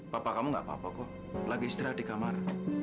bapak kamu gak apa apa kok lagi istirahat di kamar